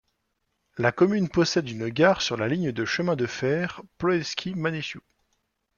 La commune possède une gare sur la ligne de chemin de fer Ploiești-Măneciu.